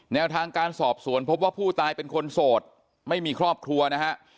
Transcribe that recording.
แนวทางการสอบสวนพบว่าผู้ตายเป็นคนโสดไม่มีครอบครัวนะฮะ